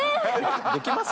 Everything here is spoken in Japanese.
できます？